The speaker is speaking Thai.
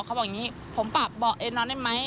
เขาบอกอย่างนี้ผมปรับเบาะเอ็นนอนได้ไหม